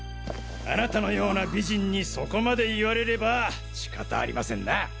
あなたのような美人にそこまで言われれば仕方ありませんな。